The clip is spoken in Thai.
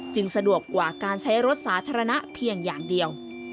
สะดวกกว่าการใช้รถสาธารณะเพียงอย่างเดียว